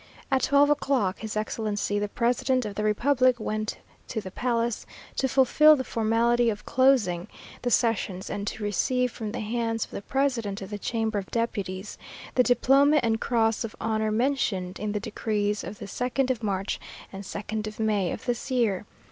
At twelve o'clock, his Excellency the President of the Republic went to the palace, to fulfill the formality of closing the sessions, and to receive from the hands of the President of the Chamber of Deputies, the diploma and cross of honour mentioned in the decrees of the second of March and second of May of this year.